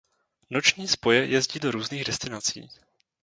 Noční spoje jezdí do různých destinací.